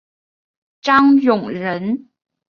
张永人。